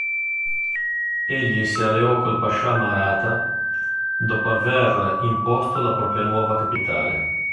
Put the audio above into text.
Egli si alleò col pascià maratha dopo aver imposto la propria nuova capitale.